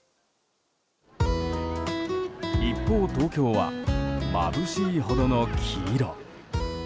一方、東京はまぶしいほどの黄色。